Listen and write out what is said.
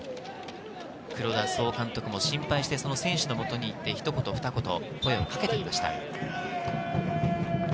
黒田総監督も心配して選手のもとにひと言ふた言、声をかけていました。